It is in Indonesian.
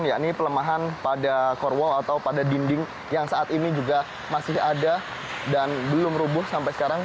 yakni pelemahan pada corwall atau pada dinding yang saat ini juga masih ada dan belum rubuh sampai sekarang